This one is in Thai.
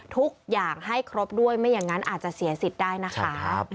ทุกอย่างให้ครบด้วยไม่อย่างนั้นอาจจะเสียสิทธิ์ได้นะคะ